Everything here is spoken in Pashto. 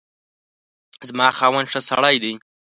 زما خاوند ښه سړی دی